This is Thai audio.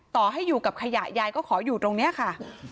ต่อให้อยู่กับขยะยายก็ขออยู่ตรงนี้ค่ะ